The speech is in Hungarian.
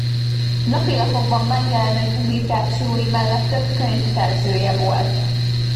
Napilapokban megjelenő publikációi mellett több könyv szerzője volt.